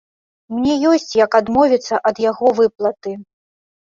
Мне ёсць як адмовіцца ад яго выплаты.